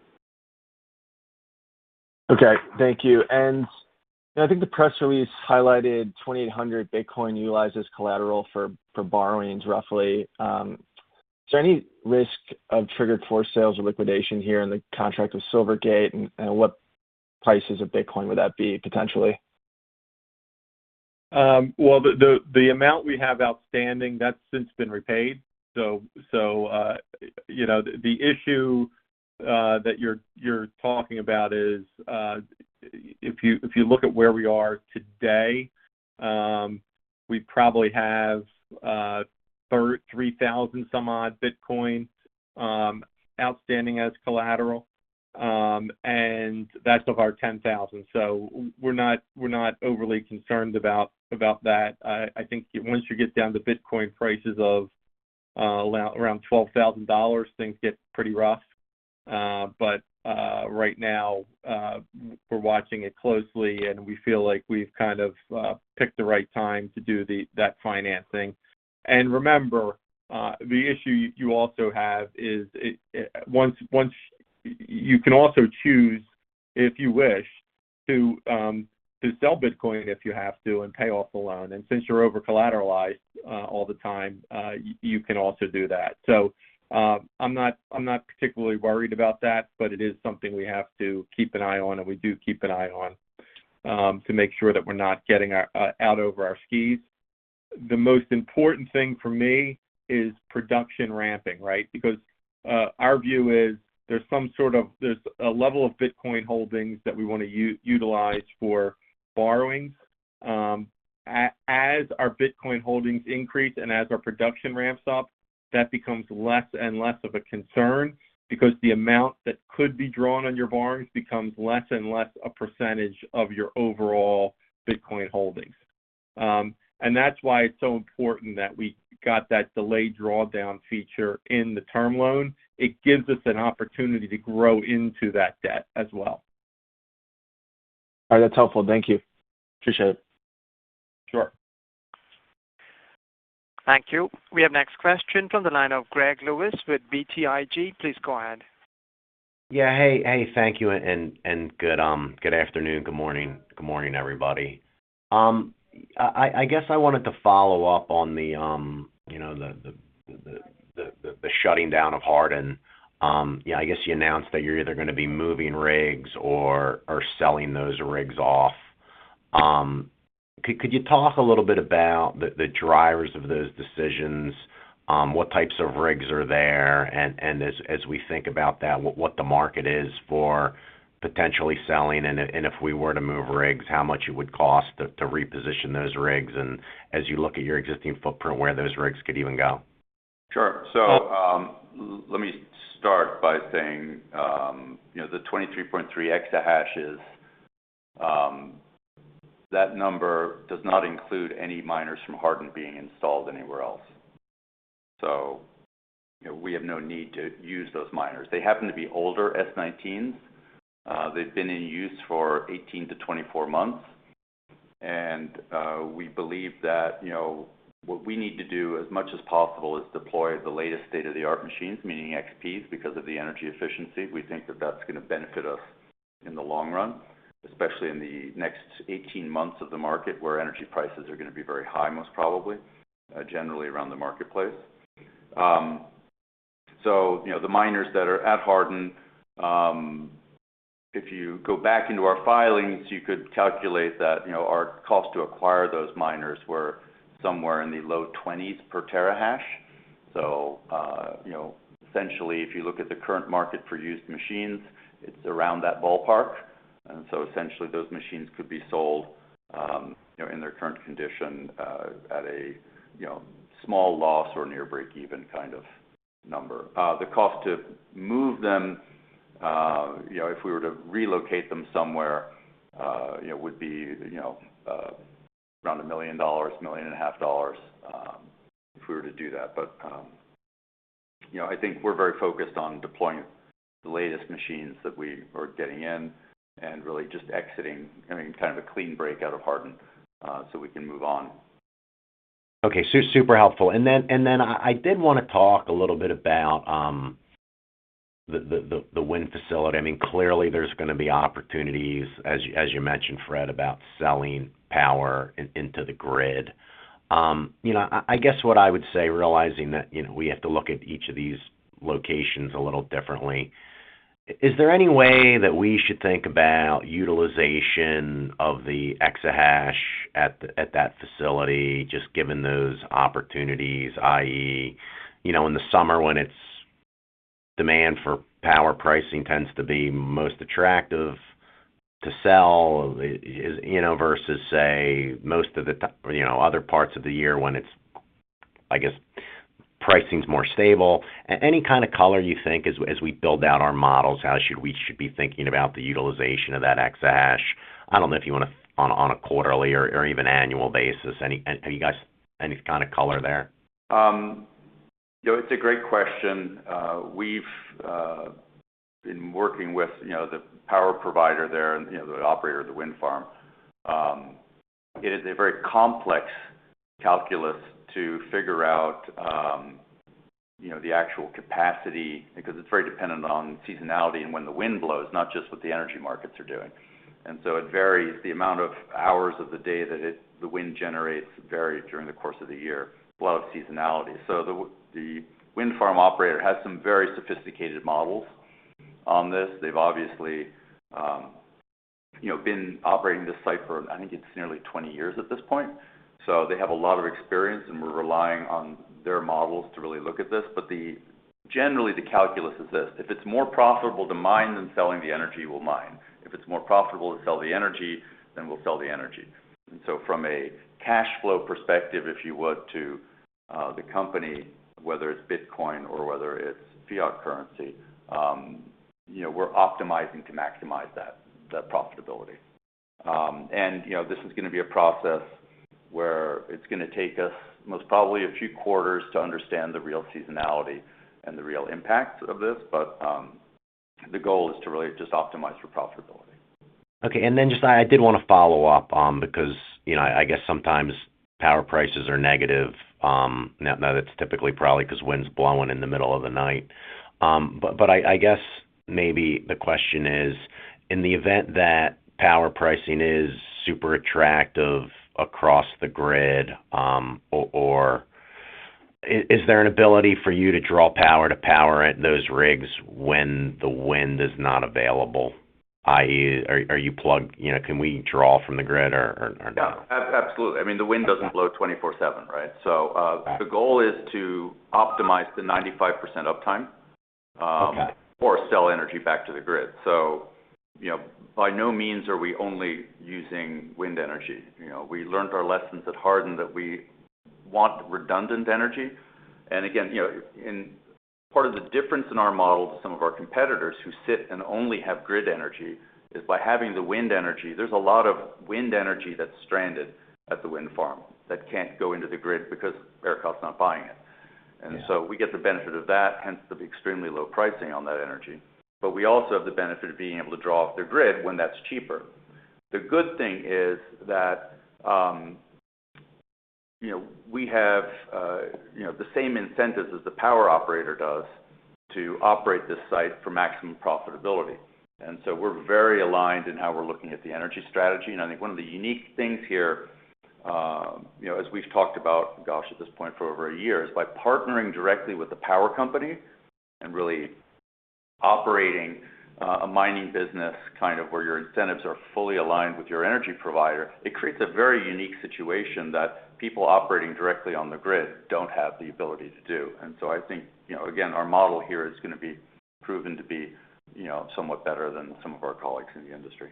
Okay, thank you. I think the press release highlighted 2,800 Bitcoin utilized as collateral for borrowings roughly. Is there any risk of triggered forced sales or liquidation here in the contract with Silvergate, and what prices of Bitcoin would that be potentially?
Well, the amount we have outstanding, that's since been repaid. You know, the issue that you're talking about is, if you look at where we are today, we probably have 3,000 some odd Bitcoin outstanding as collateral. And that's of our 10,000. We're not overly concerned about that. I think once you get down to Bitcoin prices of around $12,000, things get pretty rough. Right now, we're watching it closely, and we feel like we've kind of picked the right time to do that financing. Remember, the issue you also have is, you can also choose, if you wish, to sell Bitcoin if you have to and pay off the loan. Since you're over-collateralized all the time, you can also do that. I'm not particularly worried about that, but it is something we have to keep an eye on and we do keep an eye on to make sure that we're not getting out over our skis. The most important thing for me is production ramping, right? Our view is there's a level of Bitcoin holdings that we wanna utilize for borrowings. As our Bitcoin holdings increase and as our production ramps up, that becomes less and less of a concern because the amount that could be drawn on your borrowings becomes less and less a percentage of your overall Bitcoin holdings. That's why it's so important that we got that delayed drawdown feature in the term loan. It gives us an opportunity to grow into that debt as well.
All right, that's helpful. Thank you, appreciate it.
Sure.
Thank you. We have next question from the line of Greg Lewis with BTIG. Please go ahead.
Yeah. Hey, thank you, and good afternoon, good morning, everybody. I guess I wanted to follow up on the shutting down of Hardin. You know, I guess you announced that you're either gonna be moving rigs or selling those rigs off. Could you talk a little bit about the drivers of those decisions, what types of rigs are there, and as we think about that, what the market is for potentially selling, and if we were to move rigs, how much it would cost to reposition those rigs, and as you look at your existing footprint, where those rigs could even go?
Sure. Let me start by saying, you know, the 23.3 exahash, that number does not include any miners from Hardin being installed anywhere else. You know, we have no need to use those miners. They happen to be older S19s. They've been in use for 18-24 months. We believe that, you know, what we need to do as much as possible is deploy the latest state-of-the-art machines, meaning XPs, because of the energy efficiency. We think that that's gonna benefit us in the long run, especially in the next 18 months of the market where energy prices are gonna be very high, most probably, generally around the marketplace. You know, the miners that are at Hardin, if you go back into our filings, you could calculate that, you know, our cost to acquire those miners were somewhere in the low 20s per terahash. You know, essentially, if you look at the current market for used machines, it's around that ballpark. Essentially those machines could be sold, you know, in their current condition, at a small loss or near breakeven kind of number. The cost to move them, you know, if we were to relocate them somewhere, it would be, you know, around $1 million-$1.5 million, if we were to do that. You know, I think we're very focused on deploying the latest machines that we are getting in and really just exiting, I mean, kind of a clean break out of Hardin, so we can move on.
Super helpful. I did want to talk a little bit about the wind facility. I mean, clearly there's gonna be opportunities, as you mentioned, Fred, about selling power into the grid. You know, I guess what I would say, realizing that we have to look at each of these locations a little differently, is there any way that we should think about utilization of the exahash at that facility, just given those opportunities, i.e. you know, in the summer when its demand for power pricing tends to be most attractive to sell, versus, say, most of the other parts of the year when it's, I guess, pricing's more stable. Any kind of color you think as we build out our models, how should we be thinking about the utilization of that exahash? I don't know if you wanna on a quarterly or even annual basis. Any, you guys, any kind of color there?
It's a great question. We've been working with the power provider there and the operator of the wind farm. It is a very complex calculus to figure out the actual capacity because it's very dependent on seasonality and when the wind blows, not just what the energy markets are doing. It varies the amount of hours of the day that the wind generates vary during the course of the year. A lot of seasonality. The wind farm operator has some very sophisticated models on this. They've obviously been operating this site for, I think it's nearly 20 years at this point. They have a lot of experience, and we're relying on their models to really look at this. Generally, the calculus is this. If it's more profitable to mine than selling the energy, we'll mine. If it's more profitable to sell the energy, then we'll sell the energy. From a cash flow perspective, if you would, to the company, whether it's Bitcoin or whether it's fiat currency, you know, we're optimizing to maximize that profitability. You know, this is gonna be a process where it's gonna take us most probably a few quarters to understand the real seasonality and the real impact of this. The goal is to really just optimize for profitability.
Okay. I did wanna follow up, because, you know, I guess sometimes power prices are negative. Now that's typically probably 'cause wind's blowing in the middle of the night. I guess maybe the question is: In the event that power pricing is super attractive across the grid, or is there an ability for you to draw power to power at those rigs when the wind is not available, i.e. you know, can we draw from the grid or not?
Yeah. Absolutely. I mean, the wind doesn't blow 24/7, right? The goal is to optimize the 95% uptime, or sell energy back to the grid. You know, by no means are we only using wind energy. You know, we learned our lessons at Hardin that we want redundant energy. Again, you know, and part of the difference in our model to some of our competitors who sit and only have grid energy is by having the wind energy, there's a lot of wind energy that's stranded at the wind farm that can't go into the grid because ERCOT's not buying it.
Yeah.
We get the benefit of that, hence the extremely low pricing on that energy, but we also have the benefit of being able to draw off their grid when that's cheaper. The good thing is that, you know, we have, you know, the same incentives as the power operator does to operate this site for maximum profitability. We're very aligned in how we're looking at the energy strategy. I think one of the unique things here, you know, as we've talked about, gosh, at this point for over a year, is by partnering directly with the power company and really operating a mining business kind of where your incentives are fully aligned with your energy provider, it creates a very unique situation that people operating directly on the grid don't have the ability to do. I think, you know, again, our model here is gonna be proven to be, you know, somewhat better than some of our colleagues in the industry.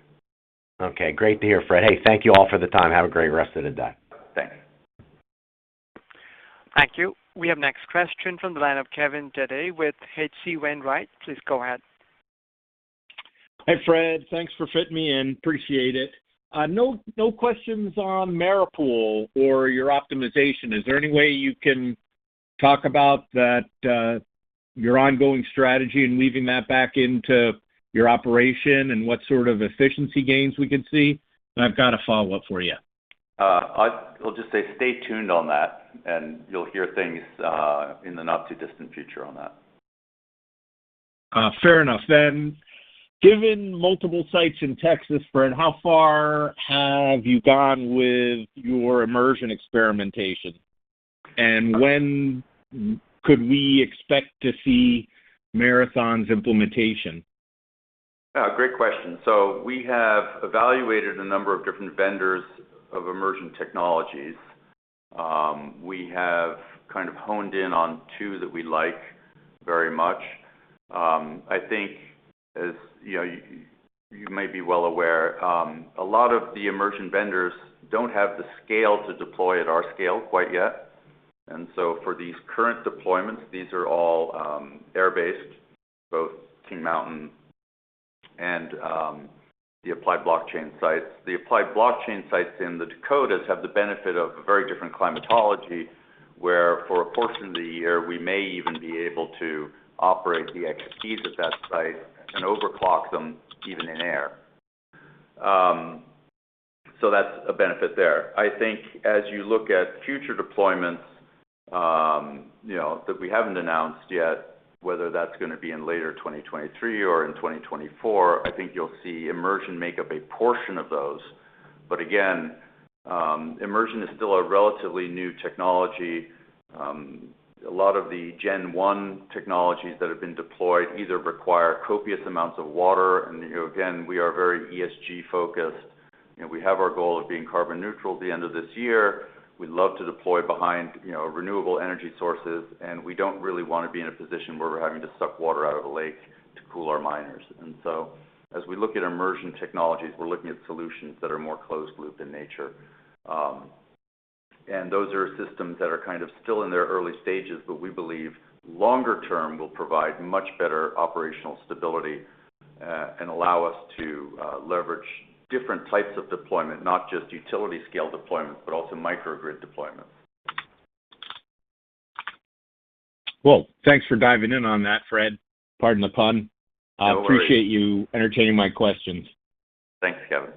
Okay. Great to hear, Fred. Hey, thank you all for the time. Have a great rest of the day.
Thanks.
Thank you. We have next question from the line of Kevin Dede with H.C. Wainwright. Please go ahead.
Hey, Fred. Thanks for fitting me in. Appreciate it. No, no questions on MaraPool or your optimization. Is there any way you can talk about that, your ongoing strategy and weaving that back into your operation and what sort of efficiency gains we could see? I've got a follow-up for you.
I'll just say stay tuned on that and you'll hear things in the not too distant future on that.
Fair enough. Given multiple sites in Texas, Fred, how far have you gone with your immersion experimentation? When could we expect to see Marathon's implementation?
Yeah, great question. We have evaluated a number of different vendors of immersion technologies. We have kind of honed in on two that we like very much. I think as you know, you may be well aware, a lot of the immersion vendors don't have the scale to deploy at our scale quite yet. For these current deployments, these are all air-based, both King Mountain and the Applied Blockchain sites. The Applied Blockchain sites in the Dakotas have the benefit of a very different climatology, where for a portion of the year, we may even be able to operate the S19 XPs at that site and overclock them even in air. That's a benefit there. I think as you look at future deployments, you know, that we haven't announced yet, whether that's gonna be in later 2023 or in 2024, I think you'll see immersion make up a portion of those. Again, immersion is still a relatively new technology. A lot of the Gen 1 technologies that have been deployed either require copious amounts of water. You know, again, we are very ESG-focused, and we have our goal of being carbon neutral at the end of this year. We love to deploy behind, you know, renewable energy sources, and we don't really wanna be in a position where we're having to suck water out of a lake to cool our miners. As we look at immersion technologies, we're looking at solutions that are more closed loop in nature. Those are systems that are kind of still in their early stages, but we believe longer term will provide much better operational stability, and allow us to leverage different types of deployment, not just utility scale deployments, but also microgrid deployments.
Well, thanks for diving in on that, Fred. Pardon the pun.
No worries.
I appreciate you entertaining my questions.
Thanks, Kevin.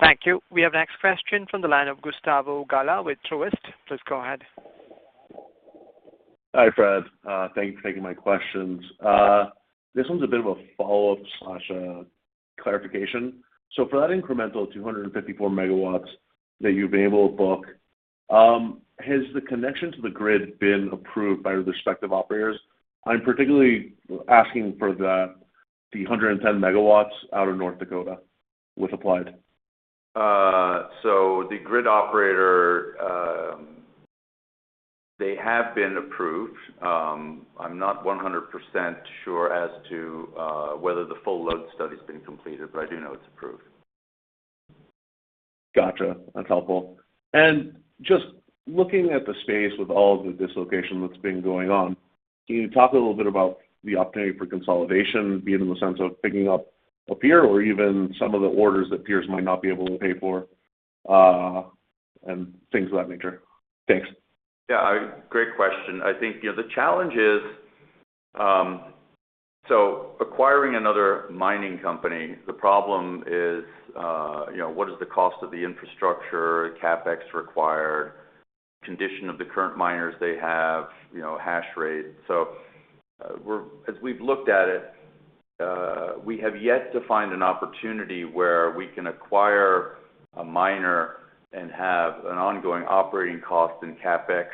Thank you. We have next question from the line of Gustavo Gala with Truist. Please go ahead.
Hi, Fred. Thank you for taking my questions. This one's a bit of a follow-up/clarification. For that incremental 254 MW that you've been able to book, has the connection to the grid been approved by the respective operators? I'm particularly asking for the 110 MW out of North Dakota with Applied.
The grid operator, they have been approved. I'm not 100% sure as to whether the full load study's been completed, but I do know it's approved.
Gotcha. That's helpful. Just looking at the space with all the dislocation that's been going on, can you talk a little bit about the opportunity for consolidation, be it in the sense of picking up a peer or even some of the orders that peers might not be able to pay for, and things of that nature? Thanks.
Yeah. Great question. I think, you know, the challenge is, acquiring another mining company, the problem is, you know, what is the cost of the infrastructure, CapEx required, condition of the current miners they have, you know, hash rate. As we've looked at it, we have yet to find an opportunity where we can acquire a miner and have an ongoing operating cost and CapEx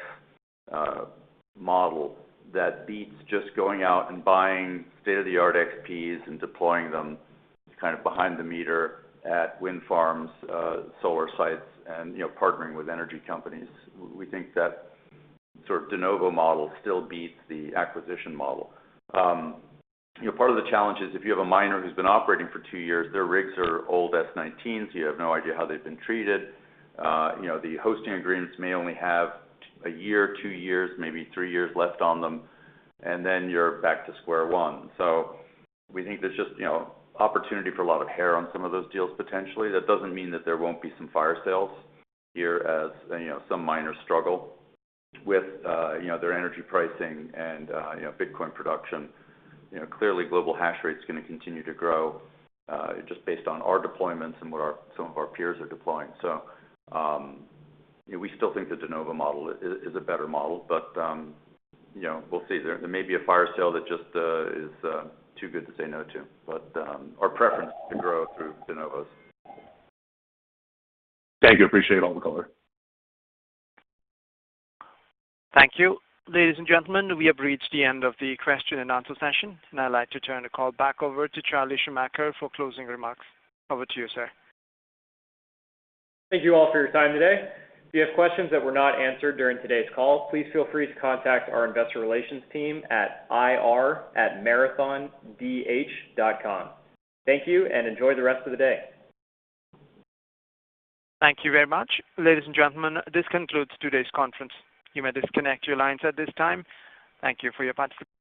model that beats just going out and buying state-of-the-art XPs and deploying them kind of behind the meter at wind farms, solar sites and, you know, partnering with energy companies. We think that sort of de novo model still beats the acquisition model. You know, part of the challenge is if you have a miner who's been operating for two years, their rigs are old S19, so you have no idea how they've been treated. You know, the hosting agreements may only have a year, two years, maybe three years left on them, and then you're back to square one. We think there's just, you know, opportunity for a lot of hair on some of those deals, potentially. That doesn't mean that there won't be some fire sales here as, you know, some miners struggle with, you know, their energy pricing and, you know, Bitcoin production. You know, clearly global hash rate's gonna continue to grow, just based on our deployments and what some of our peers are deploying. We still think the de novo model is a better model. You know, we'll see. There may be a fire sale that just is too good to say no to. Our preference is to grow through de novos.
Thank you. Appreciate all the color.
Thank you. Ladies and gentlemen, we have reached the end of the question-and-answer session, and I'd like to turn the call back over to Charlie Schumacher for closing remarks. Over to you, sir.
Thank you all for your time today. If you have questions that were not answered during today's call, please feel free to contact our investor relations team at ir@marathondh.com. Thank you, and enjoy the rest of the day.
Thank you very much. Ladies and gentlemen, this concludes today's conference. You may disconnect your lines at this time. Thank you for your participation.